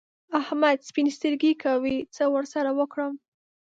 احمد سپين سترګي کوي؛ څه ور سره وکړم؟!